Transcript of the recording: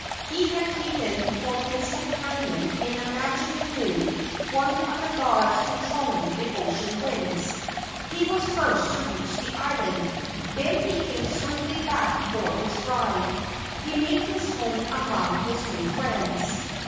He had taken for his companion in his magic canoe one of the gods controlling the ocean winds. He was first to reach the island. Then he came swiftly back for his bride. He made his home among his new friends.